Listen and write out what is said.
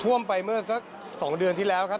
ไปเมื่อสัก๒เดือนที่แล้วครับ